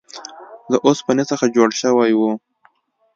له اوسپنې څخه جوړ شوی و.